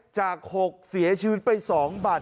จาก๖เสียชีวิตไป๒บัตร